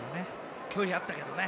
距離あったけどね。